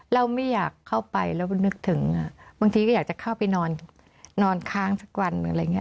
เราไม่อยากเข้าไปแล้วนึกถึงบางทีก็อยากจะเข้าไปนอนค้างสักวัน